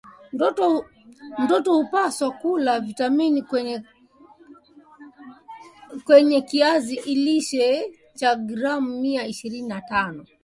mtoto hupaswa kula vitamin A kwenye kiazi lishe cha gram mia ishirini na tano inayohijika